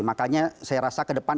makanya saya rasa ke depan